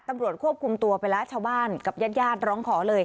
ตำรวจควบคุมตัวไปแล้วชาวบ้านกับญาติญาติร้องขอเลย